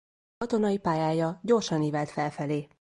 Katonai pályája gyorsan ívelt felfelé.